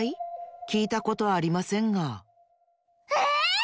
きいたことありませんがえっ！